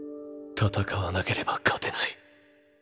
戦わなければ勝てない。